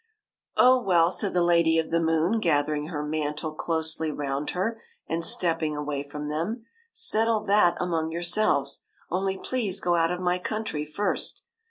'^ Oh, well," said the Lady of the Moon, gath ering her mantle closely round her and step ping away from them, "settle that among yourselves, only please go out of my country first.